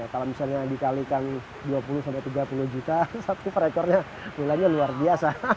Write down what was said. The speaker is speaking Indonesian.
kalau misalnya dikalikan dua puluh sampai tiga puluh juta satu rekornya nilainya luar biasa